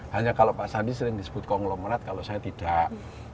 hanya kalau pak sandi sering disebut konglomerat kalau saya tidak